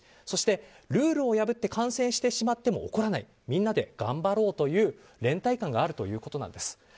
そして、ルールを破って感染してしまっても怒らないみんなで頑張ろうという連帯感があるということなんです。